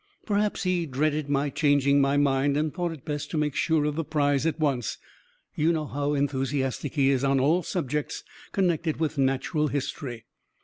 Perhaps he dreaded my changing my mind, and thought it best to make sure of the prize at once you know how enthusiastic he is on all subjects connected with Natural History.